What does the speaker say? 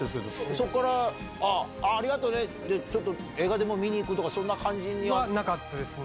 そこから、ありがとうねって、ちょっと、映画でも見に行くとか、そんな感はなかったですね。